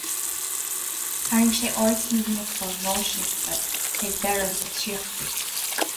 Tharraing sé aird sna nuachtáin náisiúnta ag deireadh na dtríochaidí.